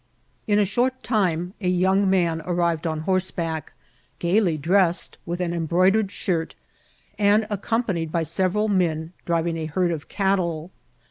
In a short time a young man arrived on horseback, gayly dressed, with an embroidered shirt, and accompa* nied by several men driving a herd of cattle.